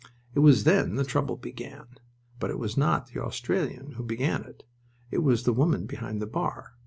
It was then the trouble began. But it was not the Australian who began it. It was the woman behind the bar.